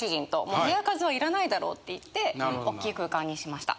もう部屋数はいらないだろうって言って大きい空間にしました。